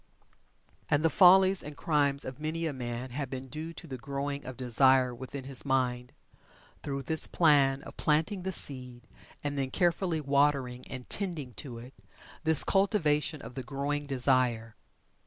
And the follies and crimes of many a man have been due to the growing of desire within his mind, through this plan of planting the seed, and then carefully watering and tending to it this cultivation of the growing desire.